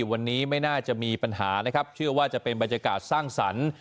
วันนี้ไม่น่าจะมีปัญหานะครับเชื่อว่าจะเป็นบรรยากาศสร้างสรรค์